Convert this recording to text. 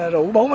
rủ bốn mươi năm